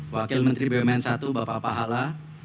wakil menteri bumn satu bapak pahala